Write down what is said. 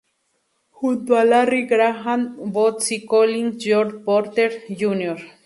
Junto a Larry Graham, Bootsy Collins, George Porter Jr.